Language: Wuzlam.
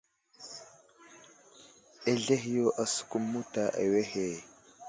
Azlehe yo asəkum muta awehe.